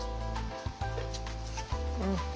うん！